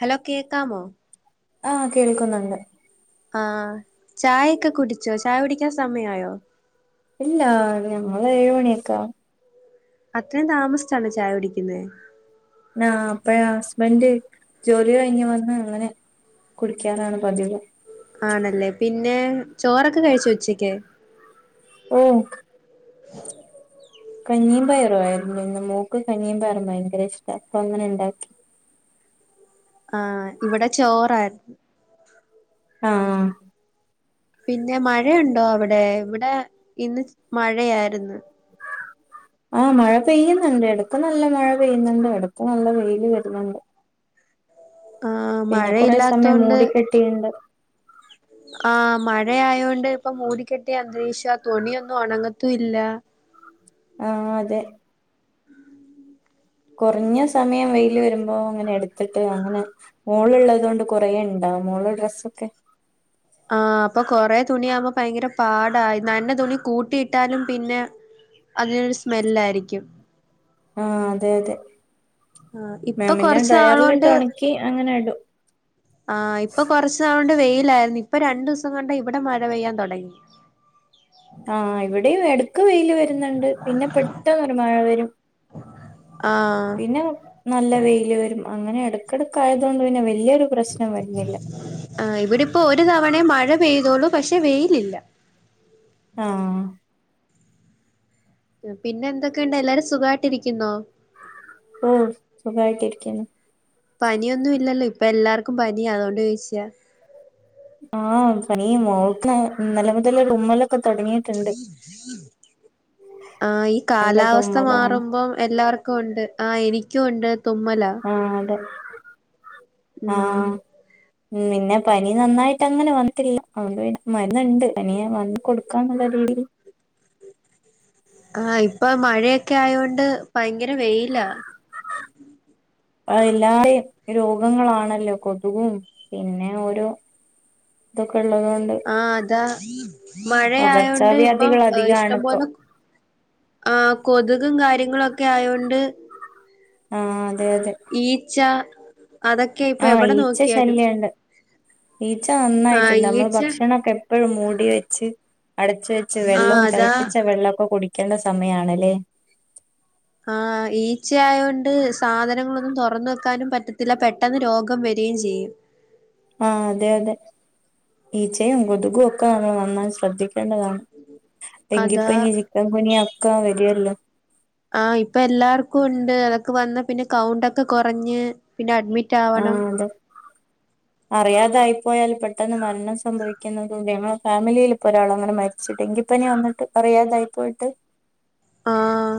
Hello കേൾക്കാമോ ആഹ് കേൾക്കുന്നുണ്ട്. ആഹ് ചായൊക്കെ കുടിച്ചോ ചായ കുടിക്കാൻ സമയായോ ഇല്ലാ ഞങ്ങൾ ഏഴുമണിയൊക്കാവും അത്രേം താമസിച്ചാണോ ചായ കുടിക്കുന്നേ ആഹ് അപ്പഴാ ഹസ്ബെന്റ് ജോലി കഴിഞ്ഞ് വന്നങ്ങനെ കുടിക്കാറാണ്പതിവ് ആണല്ലേ പിന്നേ ചോറൊക്കെ കയ്ച്ചോ ഉച്ചക്ക്. ഓഹ് കഞ്ഞീം പയറുആയിരുന്നു ഇന്ന് മോക്ക് കഞ്ഞീ പയറുംഭയങ്കര ഇഷ്ട്ട അപ്പൊ അങ്ങനെ ഇണ്ടാക്കി. ആഹ് ഇവടെ ചോറാരു ആഹ് ആഹ് പിന്നെമഴയുണ്ടോ അവിടെ ഇവിടെ ഇന്ന് ച് മഴയായിരുന്നു. [inaudible] ആഹ് മഴ പെയ്യ്ന്ന്ണ്ട് എടക്ക് നല്ല മഴ പെയ്യ്ന്ന്ണ്ട് ഇടക്ക് നല്ല വെയില് വര്ന്ന്ണ്ട്. ആഹ് പിന്നെ കൊറെ സമയം മഴയില്ലാത്തോണ്ട് മൂടി കെട്ടിയ്ണ്ട്. ആഹ് മഴയായൊണ്ട് ഇപ്പൊ മൂടിക്കെട്ടിയ അന്തരീഷ തുണിയൊന്നും ഉണങ്ങത്തുയില്ല. ആഹ് അതെ. കൊറഞ്ഞ സമയം വെയില് വരുമ്പോ അങ്ങനെ എടുത്തിട്ട് അങ്ങനെ. മോളുളളതോണ്ട് കൊറേണ്ടാവും ഒളെ ഡ്രസ്സൊക്കെ. ആഹ് അപ്പൊ കൊറെ തുണിയാമ്പോ പയങ്കര പാടാ നനഞ്ഞ തുണി കൂട്ടിയിട്ടാലും പിന്നെ. അതിനൊരു സ്മെല്ലായിരിക്കും. ആഹ് അതെ അതെ ആ ഇപ്പൊ വേണെങ്കി കൊറച്ച് ഡ്റോയറിലിട്ട് നാളോണ്ട് ഒണക്കി അങ്ങനെ ഇടു. ആ ഇപ്പൊ കൊറച്ചു നാളൊണ്ട് വെയിലാര്ന്നു ഇപ്പൊ രണ്ടുവ്സം കൊണ്ട് ഇവിടെ മഴ പെയ്യാൻ തൊടങ്ങി. ആഹ് ഇവിടെയും ഇടക്ക് വെയില് വെര്ന്ന്ണ്ട് പിന്നെ പെട്ടന്നൊര് മഴ വരും. ആഹ്. പിന്നെ നല്ല വെയിയില് വരും അങ്ങനെ എടക്കടക്കായതോണ്ട് പിന്നെ വലിയൊരു പ്രശ്നം വര്ന്നില്ല. ആഹ് ഇവ്ടിപ്പോ ഒരു തവണേ മഴ പെയ്തുളൂ പക്ഷെ വെയ്ലില്ല. ആഹ്. പിന്നെ എന്തൊക്ക്ണ്ട് എല്ലാരും സുഖായിട്ടിരിക്കുന്നോ? ഓ സുഖായിട്ടിരിക്ക്ന്നു. പനിയൊന്നുല്ലല്ലോ ഇപ്പൊ എല്ലാർക്കും പനി അതോണ്ടോച്ചാ. ആഹ് പനിയ മോൾക്ക് ഇന്നല മുതല്ല റൂമിലൊക്കെ തുടങ്ങി ഏ ഈ നല്ല കാലാവസ്ഥ തുമ്മലാണ് മാറുമ്പോം എല്ലർ ക്കുണ്ട് ആ എനിക്കു ഉണ്ട് തുമ്മലാ. ആഹ് അതെ ഉം ആഹ്. ഉം പിന്നെ പനി നന്നായിട്ട് അങ്ങനെ വന്നരി അണ്ട് മരന്ന്ണ്ട് പനി വന്ന കൊടുക്കാ ന്നുള്ള രീതില്. ആഹ് ഇപ്പൊ മഴയൊക്കെ ആയോണ്ട് ഭയങ്കര വെയില്ല. അ എല്ലാ രോഗങ്ങളാണല്ലോ കൊതുകും പിന്നെ ഓരോ. ഇന്നത്തേകൊള്ളതായി ആഹ് അതാ മഴയായോണ്ട് ഇപ്പം പകർച്ചാവ്യാധികൾ അധികാണ് ഇപ്പൊ ഇഷ്ടംപോലെ. കൊതുകും കാര്യങ്ങളൊക്കെ ആയൊണ്ട്. ആഹ് അതെ അതെ. ഈച്ച അതൊ ആഹ് ഈച്ച ശല്യുണ്ട്. ഈച്ച ആഹ് നന്നായിട്ട്ണ്ട് നമ്മള് ഈച്ച ഭക്ഷണൊക്കെ എപ്പോഴും മൂടി വെച്ച്. അടച്ച് വെച്ച് ആഹ് വെള്ളവും അതാ തിളപ്പിച്ച വെള്ളൊക്കെ കുടിക്കണ്ട സമയാണല്ലേ. ആ ഈച്ചയയൊണ്ട് സാധനങ്ങളൊന്നും തൊറന്ന് വെക്കാനും പറ്റത്തില്ല പെട്ടെന്ന് രോഗം വരീചെയ്യും. ആഹ് അതെ അതെ ഈച്ചയും കൊതുകും ഒക്കെ നമ്മൾ നന്നാ ശ്രദ്ധിക്കേണ്ടതാണ്. അതാ ടെങ്കിപ്പനി ചിക്കൻ പനി അക്ക വരിയല്ലോ. ആഹ് ഇപ്പെല്ലാർക്കുണ്ട് അതൊക്കെ വന്ന പിന്നെ കൗണ്ടൊക്കെ കൊറഞ്ഞ് പിന്നെ അഡ്മിറ്റ് ആവണം ആഹ് അതെ. അറിയാതായിപ്പോയാല് പെട്ടെന്ന് മരണം സംഭവിക്ക്ന്നത് തേമ്മ ഫാമിലില് കൊറെയൾ അങ്ങനെ മര് ച്ച്ട് ടെങ്കിപ്പനി വന്നിട്ട് അറിയാതായി പോയിട്ട്. ആഹ്.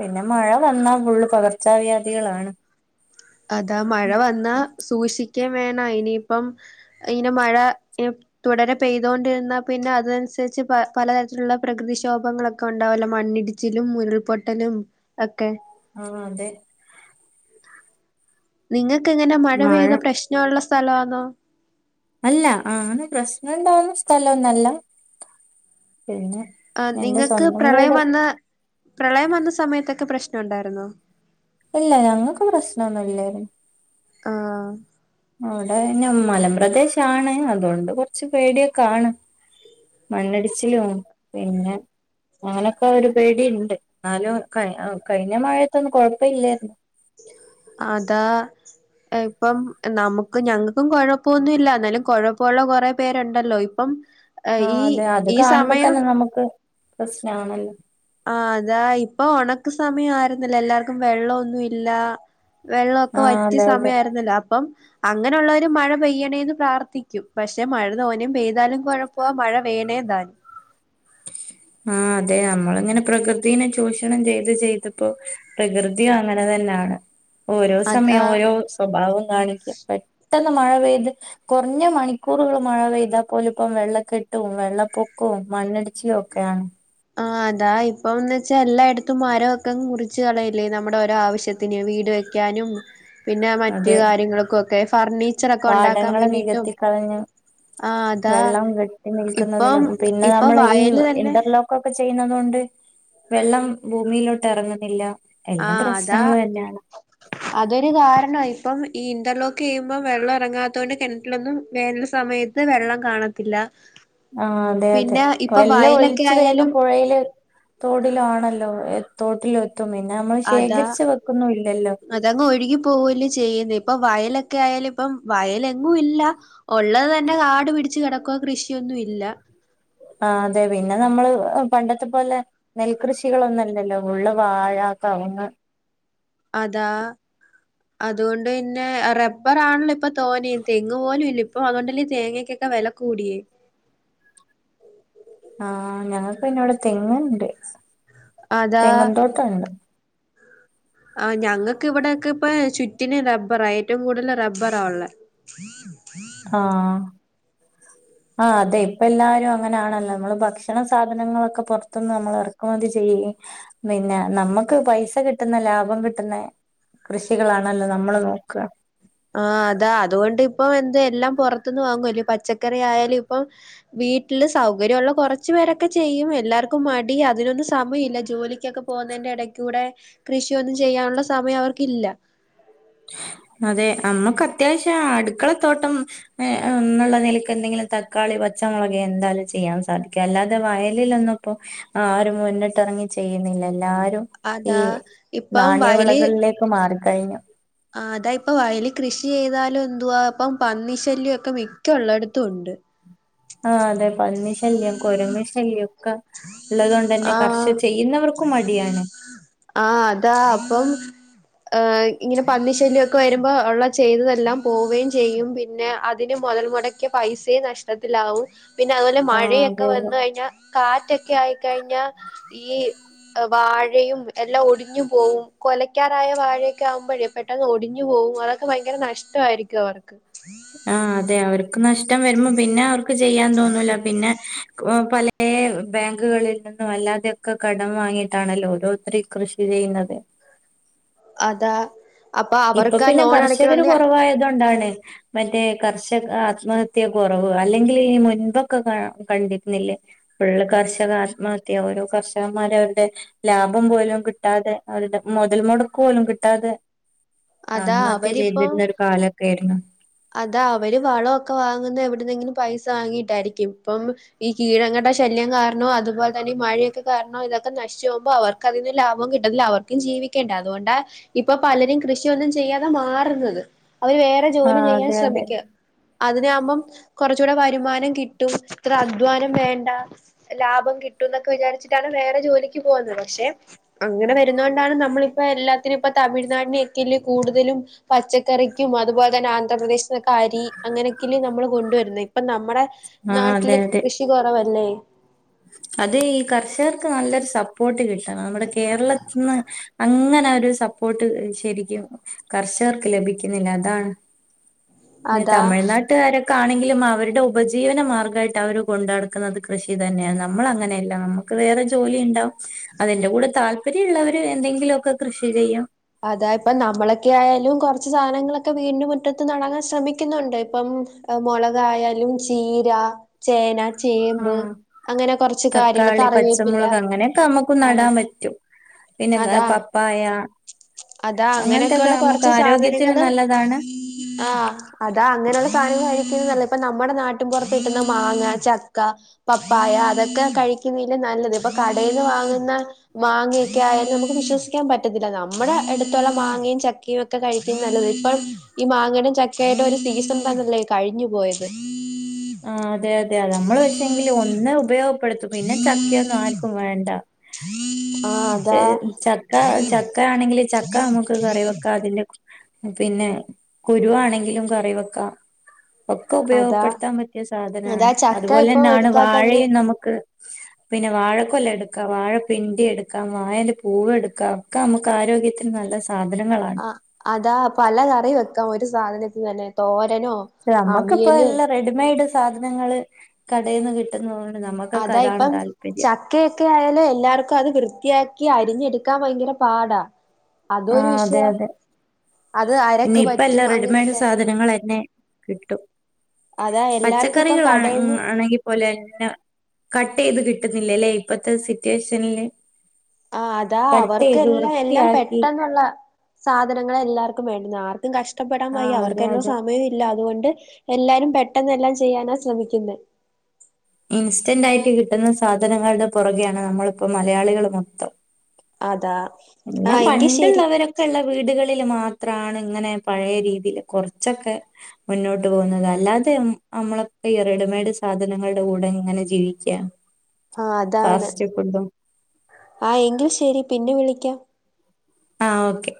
പിന്നെ മഴ വന്നാ ഫുള് പകർച്ചാവ്യാധികളാണ്. അതാ മഴ വന്നാ സൂഷിക്കേവേണം അയ്നിയിപ്പം. ഇയ്ന് മഴ. തുടരെ പെയ്തോണ്ടിര്ന്നാ പിന്നെ അതനുസരിച്ച് പലതരത്തിലുള്ള പ്രകൃതിക്ഷോഭങ്ങളും. ക്കെണ്ടാവലൊ മണ്ണിടിച്ചിലും മുരുൾപൊട്ടലും ഒക്കെ. ആഹ് അതെ. നിങ്ങക്കെങ്ങന മഴ പെയ്ത പ്രശ്നുള്ള സ്ഥലാണോ? അല്ല ആണ് പ്രശ്നൊണ്ടാവ്ന്ന സ്ഥലൊന്നല്ല പിന്നെ. ആഹ് എന്റെ നിങ്ങക്ക് സ്വന്തം പ്രളയം വീട് വന്ന പ്രളയം വന്ന സമയത്തൊക്കെ പ്രശ്നൊണ്ടായിര്ന്നോ. ഇല്ല ഞങ്ങക്ക് പ്രശ്നൊന്നുല്ലാരുന്നു ആഹ് അവിടെ ന്നെ മലം പ്രദേശാണ് അതുകൊണ്ട് കുറച്ച് പേടിയൊക്കാണ് മണ്ണടിച്ചിലും പിന്നെ അങ്ങനൊക്കെ ഒരു പേടിയ്ണ്ട് എന്നാലും കഴിഞ്ഞ മഴയത്തൊന്നും കുഴപ്പല്ലായിരുന്നു അതാ ഇപ്പം നമുക്ക് ഞങ്ങക്കു കൊഴപ്പൊന്നുല്ല എന്നാലും കുഴപ്പമുള്ള കുറേ പേരുണ്ടല്ലോ ഇ പ്പം ആഹ് അതെ അത് കാണുമ്പോ തന്നെ നമുക്ക് പ്രസ്നാണല്ലോ ആഹ് അതാ ഇപ്പൊ ഉണക്ക് സമയം ആരുന്നില്ലോ എല്ലാർക്കും വെള്ളം ഒന്നുമില്ല വെള്ളൊക്കെ ആഹ് വറ്റി അതെ അതെ സമയ ആയിരുന്നില്ല അപ്പം അങ്ങനെയുള്ളൊര് മഴ പെയ്യണേന്ന് പ്രാർത്ഥിക്കും പക്ഷെ മഴ തോനയും പെയ്താലും കുഴപ്പ മഴ വേണേ താനും ആഹ് അതെ നമ്മള് ഇങ്ങനെ പ്രകൃതിനെ ചൂഷണം ചെയ്ത് ചെയ്തപ്പോ പ്രകൃ തി അങ്ങന തന്നാണ് ഓരോ അതാ സമയം ഓരോ സ്വഭാവം കാണിക്കു പെട്ടെന്ന് മഴ പെയ്ത് കൊറഞ്ഞ മണിക്കൂറുകൾ മഴ പെയ്താൽ പോലു ഇപ്പം വെള്ള കെട്ടും വെള്ള പൊക്കവും മണ്ണിടി ച്ചില് ഒക്കെയാണ്. ആഹ് ഇതാ ഇപ്പംന്ന് വെച്ചാ എല്ലായിടത്തും മരം ഒക്കെ മുറിച്ച് കളയില്ലേ നമ്മുടെ ഓരോ ആവശ്യത്തിന് വീട് വെക് ക്കാനും പിന്നെ മറ്റേ അതെ കാര്യങ്ങൾക്കു ഒക്കെ ഫർണിച്ചർ ഒക്കെ ഉണ്ടാക്കാൻ വേണ്ടീട്ടും കളഞ്ഞു വെള്ളം കെട്ടി ഇപ്പം നിൽക്കുന്നതിനും പിന്നെ ഇപ്പൊ നമ്മള് ഈ വയല് തന്നെ ഇറ്റർലോക് ക്കൊക്കെ ചെയ്യുന്നത് കൊണ്ട് വെള്ളം ഭൂമിയിലോട്ട് എറങ്ങുന്നില്ല ആഹ് അതാ അതൊരു കാരണാ ഇപ്പം ഈ ഇന്റർലോക്ക് ചെയ്യുമ്പോ വെള്ളം ഇറങ്ങാത്തത് കൊണ്ട് കിണറ്റിലൊന്നും വേനൽ സമയത് ത് വെള്ളം കാണത്തില്ല ആഹ് അതെ അതെ പിന്നെ ഇപ്പൊ വല്ല വയലൊക്കെ ഒലിച്ച് വേഗം ആയാലും പുഴയില് തോടിലാണല്ലോ തോട്ടിലോ എത്തും പിന്നെ നമ്മള് അതാ ശേഖരിച്ച് വെക്കുന്നില്ലല്ലോ അതങ്ങ് ഒഴുകി പോകൂലെ ചെയ്യല് ഇപ്പ വയലൊക്കെ ആയാലും ഇപ്പം വയല് എങ്ങും ഇല്ല ഒള്ളത് തന്നെ കാടു പിടിച്ച് കിടക്ക കൃഷിയൊന്നും ഇല്ല ആഹ് അതെ പിന്നെ നമ്മള് പണ്ടത്തെ പോലെ നെൽകൃഷികൾ ഒന്നു ഇല്ലല്ലോ ഉള്ള വാഴാ കവുങ്ങ് അതാ അതുകൊണ്ട് പിന്നെ റബ്ബാറാണല്ലോ ഇപ്പൊ തോനയും തെങ്ങ് പോലും ഇല്ല ഇപ്പൊ അതൊണ്ടല്ലേ തേങ്ങക്കൊക്കെ വില കൂടിയേ ആഹ് ഞങ്ങക്ക് പിന്നെ ഇവിടെ തെങ്ങുണ്ട് അതാ തെങ്ങും തോട്ടണ്ട് ആഹ് ഞങ്ങക്ക് ഇവിടെയൊക്കിപ്പ ചുറ്റിന് റബ്ബറാ ഏറ്റവും കൂടുതൽ റബ്ബറാള്ളേ ആഹ് ആഹ് അതെ ഇപ്പ എല്ലാരും അങ്ങനൊണല്ലോ നമ്മള് ഭക്ഷണ സാധനങ്ങളൊക്കെ പുറത്തുനിന്ന് നമ്മൾ ഇറക്കുമതി ചെയ്യു പിന്നെ നമ്മൾക്ക് പൈസ കിട്ടുന്ന ലാഭം കിട്ടുന്ന കൃഷികളാണല്ലോ നമ്മള് നോക്ക ആഹ് അതാ അതുകൊണ്ട് ഇപ്പൊ എന്ത് എല്ലാം പുറത്തുന്ന് വാങ്ങു എല്ല പച്ചക്കറി ആയാലു ഇപ്പം വീട്ടില് സൗകര്യള്ള കുറച്ചു പേരൊക്കെ ചെയ്യും എല്ലാർക്കും മടിയാ അതിനൊന്നു സമയല്ല ജോലിക്കൊക്കെ പോ പോന്നെന്റെ ഇടേ കൂടെ കൃഷിയൊന്നും ചെയ്യാനുള്ള സമയം അവർക്കില്ല അതെ അമ്മക്ക് അത്യാവശ്യാ അടുക്കള തോട്ടം ഏഹ് എന്നുള്ള നിലയ്ക്ക് എന്തെങ്കിലും തക്കാളി പച്ചമുളക് എന്തായാലും ചെയ്യാൻ സാധിക്കു അല്ലാ വയലിലൊന്നിപ്പോ ആരും മുന്നിട്ട് ഇറങ്ങി ചെയ്യുന്നില്ല എല്ലാരും ഈ അതാ ഇപ്പം വയല് നാണയവിളകളിലേക്ക് മാറിക്കഴിഞ്ഞു ആഹ് അതാ ഇപ്പൊ വയലി കൃഷി ചെയ്താലും എന്തുവാ പ്പ പന്നി ശല്യ ഒക്കെ മിക്ക ഉള്ളിടത്തും ഉണ്ട് ആഹ് അതെ പന്നി ശല്യം കുരങ്ങ ശല്യംക്കെ ഉള്ളത്കൊണ്ട് തന്നെ ആഹ് കർഷകർക്ക് ചെയ്യുന്നവർക്കും മടിയാണ് ആഹ് അതാ അപ്പം ഏഹ് ഇങ്ങനെ പന്നിശല്യൊക്കെ വരുമ്പോ ഉള്ള ചെയ്തതെല്ലാം പോവുകയും ചെയ്യും പിന്നെ അതിന് മുതൽ മുട ക്കിയ പൈസയും നഷ്ടത്തിലാവും പിന്നെ അതുപോലെ ആ മഴയൊക്കെ അതെ അതെ വന്ന് കഴിഞ്ഞാൽ കാറ്റൊക്കെ ആയിക്കഴിഞ്ഞ ഈ വാഴയും എല്ലാം ഒടിഞ്ഞു പോവും കൊലക്കാറായ വാഴ ക്കാഉമ്പഴ പെട്ടെന്ന് ഒടിഞ്ഞു പോകും അതൊക്കെ ഭയങ്കര നഷ്ടയിരിക്കും അവർക്ക് ആഹ് അതെ അവർക്ക് നഷ്ടം വരുമ്പോ പിന്നെ അവർക്ക് ചെയ്യാൻ തോന്നൂല പിന്നെ ക് ഓഹ് പലേ ബാങ്കുകളിൽ നിന്നും അല്ലാതെയൊക്കെ കടം വാങ്ങിയിട്ടാണല്ലോ ഓരോരുത്ത കൃഷി ചെയ്യുന്നത് അതാ അപ്പൊ ഇപ്പൊ അവർക്ക് ആ പിന്നെ ലോൺ കർഷകര് അടക്കണോങ്കി കുറവായത്കൊണ്ടാണ് മറ്റേ കർഷക ആത്മഹത്യ കുറവ് അല്ലെങ്കിൽ ഈ മുൻപൊക്കെ കണ്ടിരുന്നില്ലേ ഫുള്ള് കർഷക ആത്മഹത്യ ഓരോ കർഷകന്മാര അവരുടെ ലാഭം പോലും കിട്ടാതെ അവരുടെ മുതൽ മുടക്ക് പോലും കിട്ടാതെ- അതാ ആത്മഹത്യ അവരിപ്പം ചെയ്തിരുന്ന ഒരു കാലൊക്കെ ആരുന്നു അതാ അവര് വളോക്കെ വാങ്ങുന്ന എവിടുന്നെങ്കിലും പൈസ വാങ്ങിട്ടായിരിക്കും ഇപ്പം ഈ കീഴങ്ങളേ ശല്യം കാരണോ അതുപോലെ തന്നെ ഈ മഴയൊക്കെ കാരണോ ഇതൊക്കെ നശിച്ച് പോകുമ്പോ അവർ ക്കതിന് ലാഭം കിട്ടത്തില്ല അവർക്കും ജീവിക്കേണ്ടേ അതോണ്ടാ ഇപ്പൊ പലരും കൃഷിയൊന്നും ചെയ്യാതെ മാറുന്നത് അവര് വേറെ ജോലി ആഹ് ചെയ്യാൻ അതെ അതെ ശ്രമിക്ക അതിനാകുമ്പം കുറച്ചുകൂടെ വരുമാനം കിട്ടും ഇത്ര അധ്വാനം വേണ്ട. ലാഭം കിട്ടും എന്നൊക്കെ വിചാരിച്ചിട്ടാണ് വേറെ ജോലിക്ക് പോകുന്നത് പക്ഷെ അങ്ങനെ വരുന്നത് കൊണ്ടാണ് നമ്മളിപ്പോ എല്ലാത്തിനും ഇപ്പൊ തമിഴ്നാടിനെ റ്റ്ല് കൂടുതലും പച്ചക്കറിക്കും അതുപോലെ തന്നെ ആന്ധ്രാ പ്രദേശ് ന്നക്കെ അരി അങ്ങനെയൊക്കല്ലെ നമ്മള് കൊണ്ടുവരുന്നത് ഇപ്പ നമ്മുടെ ആഹ് അതെ നാട്ടില് അതെ കൃ ഷി കുറവല്ലേ അത് ഈ കർഷകർക്ക് നല്ലൊരു സപ്പോർട്ട് കിട്ടണം നമ്മുടെ കേരളത്തിന്ന് അങ്ങനെ ഒരു സപ്പോർട്ട് ശരിക്കും കർഷകർക്ക് ലഭിക്കുന്നില്ല അതാണ്. പിന്നെ അതാ തമിഴ്നാട് ട്ടുകാരൊക്കെ ആണെങ്കിലും അവരുടെ ഉപജീവന മാർഗ്ഗയിട്ട് അവർ കൊണ്ട് നടക്കുന്നത് കൃഷി- തന്നെയാണ് നമ്മള അങ്ങനെയല്ല നമുക്ക് വേറെ ജോലിണ്ടാവും അതിന്റെ കൂടെ താല്പര്യള്ളവര് എന്തെങ്കിലൊക്കെ കൃഷി ചെയ്യാം. അതാ ഇപ്പ നമ്മളൊക്കെ ആയാലും കുറച്ച് സാധങ്ങളൊക്കെ വീടിന് മുറ്റത്ത് നടാൻ ശ്രമിക്കുന്നുണ്ട് ഇപ്പം മുളകായാലും ചീര ചേന, ചേമ്പ് ആഹ് അങ്ങനെ കൊറച്ച് കാര്യങ്ങള് തക്കാളി കറിവേപ്പില പച്ചമുളക് അങ്ങനെയൊക്കെ നമ്മുക്ക് ആഹ് നടാൻ പറ്റും. പിന്നെ പെ അതാ പപ്പായ അതാ അങ്ങനെയൊക്കെ അങ്ങനത്തൊക്കെ ഉള്ള നമുക്ക് കുറച്ച് ആരോഗ്യത്തിനും സാധനങ്ങള് നല്ലതാണ് ആഹ് അതാ അങ്ങനെയുള്ള സാനങ്ങൾ കഴിക്കുന്നത് നല്ല ഇപ്പ നമ്മുടെ നാട്ടിൻ പുറത്ത് കിട്ടുന്ന മാങ്ങ ചക്ക, പപ്പായ അതൊക്കെ കഴിക്കുന്നില്ല നല്ലത് ഇപ്പൊ കടയിന്ന് വാങ്ങുന്ന- മാങ്ങയൊക്കെ ആയാലും നമുക്ക് വിശ്വസിക്കാൻ പ റ്റുന്നില്ല നമ്മുടെ അടുത്തുള്ള മാങ്ങയും ചക്കയും ഒക്കെ കഴിക്കണ് നല്ലത് ഇപ്പം ഈ മാങ്ങയുടെയും ച ക്കേടെ ഒരു സീസൺ തന്നല്ലേ കഴിഞ്ഞു പോയത് ആഹ് അതെ അതെതെ നമ്മള് പക്ഷെങ്കിൽ ഒന്ന് ഉപയോഗപ്പെടുത്തും പിന്നെ ചക്കയൊന്നും ആർക്കും വേണ്ട. [inaudible] അതാ ശരി ചക്ക ചക്ക ആണെങ്കിൽ ചക്ക നമുക്ക് കറി വെക്കാം അതിന്റെ പിന്നെ കുരുവാണെങ്കിലും കറി വെക്ക ഒക്കെ അതാ ഉപയോഗപ്പെടുത്താൻ പ റ്റ്യ സാധനാണ് അതാ ചക്ക ഇപ്പൊ അതുപോലെന്നെയാണ് എടുത്താ തന്നെ വാഴയും നമുക്ക് പിന്നെ വാഴക്കൊല എടുക്കാം വാഴപ്പിണ്ടി എടുക്കാം വാഴ ന്റെ പൂവെടുക്കാം ഒക്കെ നമുക്ക് ആരോഗ്യ ത്തിന് നല്ല സാധനങ്ങള ആഹ് അതാ പല കറി വെക്കാം ഒരു സാധനത്തിന്ന് തന്നെ തോരനോ ഷേ അമ്മക്കിപ്പോ അവിയല് എല്ലാം റെഡിമെയ്ഡ് സാധനങ്ങള് കടേന്ന് കി ട്ടുന്നോണ്ട് നമ്മക്കൊക്കെ അതാണ് താല്പര്യം ത്ത് ഒക്കെ ആയാല് എല്ലാർക്കും അത് വൃത്തിയാക്കി അരിഞ്ഞെടുക്കാൻ ഭയങ്കര പാടാ അതും ആ ഒരു അതെ വിഷയാ അതെ അത് പിന്നെ അരക്ക് ഇപ്പ പറ്റും എല്ലാം റെഡിമെയഡ് അങ്ങനൊക്കെ സാധനങ്ങളെന്നെ കിട്ടും അതാ എല്ലാർക്കും ഇപ്പം പച്ചക്കറികൾ ആണ് കടേന്ന് ആണെങ്കി പോല ന്നെ കട്ടെയ്ത് കിട്ടുന്നില്ലെല്ലേ ഇപ്പത്തെ സിറ്റുവേഷനില് ആഹ് അതാ കട്ട് അവർക്ക് ചെയ്ത് എല്ലാം എല്ലാം വൃത്തിയാക്കി പെട്ടന്നൊള്ള സാധനങ്ങളാ എല്ലാർക്കും വേണ്ടുന്നാ ആർക്കും കഷ്ടപ്പെടാൻ വയ്യ ആഹ് അതെ അവർക്കയിനൊള്ള അതെ സമയം ഇല്ല അതുകൊണ്ട് എല്ലാരും പെട്ടെന്നെല്ലാം ചെയ്യാനാ ശ്രമിക്കുന്നേ ഇൻസ്റ്റന്റ് ആയിട്ട് കിട്ടുന്ന സാധനങ്ങൾടെ പൊറകെയാണ് നമ്മളിപ്പം മലയാളികള് മൊത്തം അതാ ആ ന്നാ എങ്കി ശരി പണ്ട്ള്ളവരൊ ക്കെള്ള വീടുകളില് മാത്രാണ് ഇങ്ങനെ പഴേ രീതിയില് കൊറച്ചൊക്കെ മുന്നോട്ട് പോകുന്നത് അല്ലാതെ ഉം അമ്മളൊ ഈ റെഡിമെയ്ഡ് സാധനങ്ങളുടെ കൂടെ ഇങ്ങനെ ജീവി ചേമ് [unintelligible] ആഹ് അതാണ് ആഹ് എങ്കിൽ ശരി പിന്നെ വിളിക്കാം ആഹ് ഓക്കെ